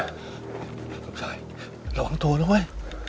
ลูกชายระวังตัวนะเว้ย